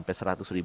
kita lihat di sini